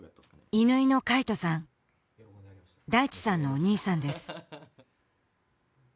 乾野海人さん大地さんのお兄さんです